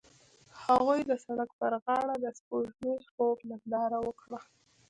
هغوی د سړک پر غاړه د سپوږمیز خوب ننداره وکړه.